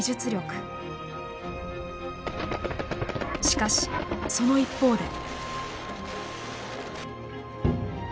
しかしその一方で。